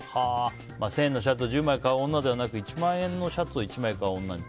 １０００円のシャツを１０枚買う女ではなく１万円のシャツを１枚買う女に。